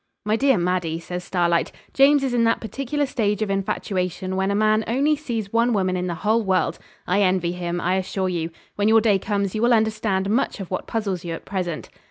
'My dear Maddie,' says Starlight, 'James is in that particular stage of infatuation when a man only sees one woman in the whole world. I envy him, I assure you. When your day comes you will understand much of what puzzles you at present.'